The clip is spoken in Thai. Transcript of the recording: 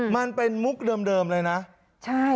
มันเป็นมุกเดิมเลยนะใช่